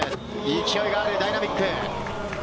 勢いがある、ダイナミック。